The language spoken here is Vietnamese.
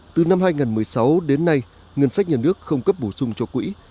từ năm hai nghìn một mươi sáu đến nay ngân sách nhà nước không cấp bổ sung cho quỹ